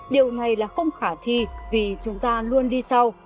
điều này là không khả thi vì chúng ta luôn đi sau